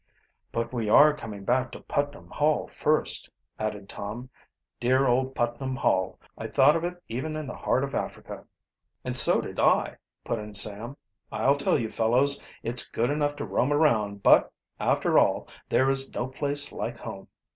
"But we are coming back to Putnam Hall first," added Tom. "Dear old Putnam Hall! I thought of it even in the heart of Africa!" "And so did I," put in Sam. "I'll tell you, fellows, it's good enough to roam around, but, after all, there is no place like home."